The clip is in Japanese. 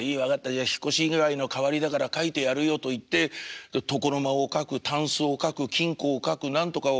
じゃ引っ越し祝の代わりだから描いてやるよ」と言って床の間を描くたんすを描く金庫を描く何とかを描く。